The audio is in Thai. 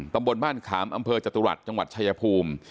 ตำบลบ้านขามอำเภอจตุรัสจังหวัดชายภูมิ